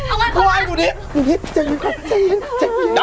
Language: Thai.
เอาไว้หลงนี่ที่เราดำ